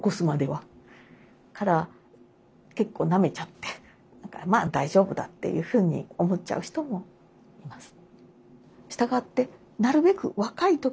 だから結構なめちゃってまあ大丈夫だっていうふうに思っちゃう人もいます。